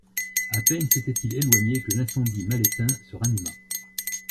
A peine s'était-il éloigné, que l'incendie mal éteint, se ranima.